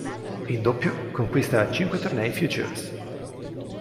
In doppio conquista cinque tornei Futures.